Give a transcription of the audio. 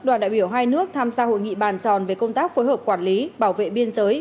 đoàn đại biểu hai nước tham gia hội nghị bàn tròn về công tác phối hợp quản lý bảo vệ biên giới